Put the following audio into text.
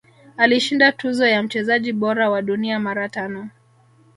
Alishinda tuzo ya mchezaji bora wa dunia mara tano